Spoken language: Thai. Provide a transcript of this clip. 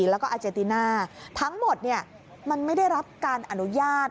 แล้วก็อาเจติน่าทั้งหมดมันไม่ได้รับการอนุญาต